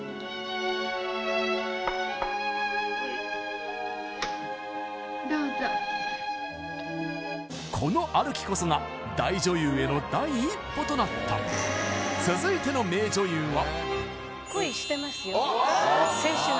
はいどうぞこの歩きこそが大女優への第一歩となった・青春